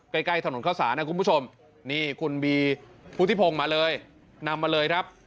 ใกล้ถนนเข้าสารนะคุณผู้ชมนี่คุณบีพุทธิพงศ์มาเลยนำมาเลยครับ